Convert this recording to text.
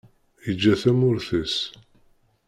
Yeǧǧa tamurt-is.